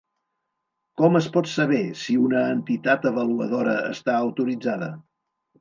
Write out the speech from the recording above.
Com es pot saber si una entitat avaluadora està autoritzada?